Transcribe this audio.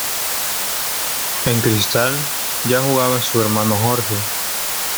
En Cristal ya jugaba su hermano Jorge.